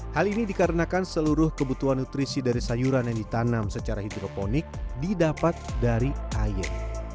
hal ini dikarenakan seluruh kebutuhan nutrisi dari sayuran yang ditanam secara hidroponik didapat dari air